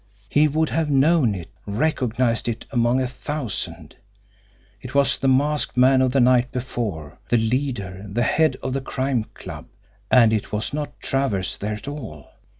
He would have known it, recognised it, among a thousand it was the masked man of the night before, the leader, the head of the Crime Club! And it was not Travers there at all!